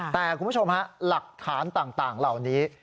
แต่คุณผู้ชมฮะหลักฐานต่างเหล่านี้